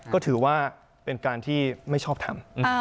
ก็ถือว่าเป็นการที่ไม่ชอบทำ